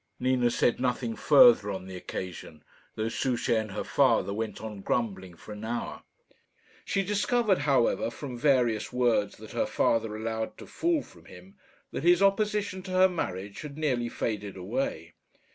Nina said nothing further on the occasion, though Souchey and her father went on grumbling for an hour. She discovered, however, from various words that her father allowed to fall from him, that his opposition to her marriage had nearly faded away.